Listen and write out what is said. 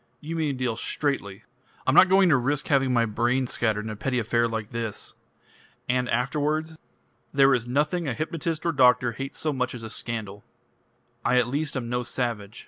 "You mean to deal straightly." "I'm not going to risk having my brains scattered in a petty affair like this." "And afterwards?" "There is nothing a hypnotist or doctor hates so much as a scandal. I at least am no savage.